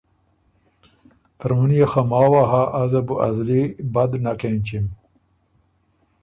ترمُن يې خه ماوه هۀ ازه بو ا زلی بد نک اېنچِم،